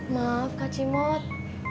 maaf kak cimot